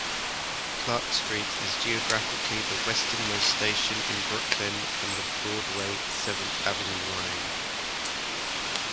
Clark Street is geographically the westernmost station in Brooklyn on the Broadway-Seventh Avenue Line.